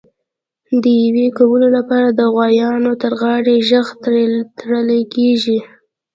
د یویې کولو لپاره د غوایانو تر غاړي ژغ تړل کېږي.